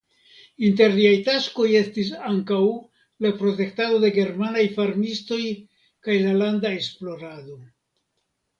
Inter liaj taskoj estis ankaŭ la protektado de germanaj farmistoj kaj la landa esplorado.